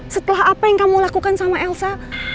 setelah apa yang kamu lakukan sama elsa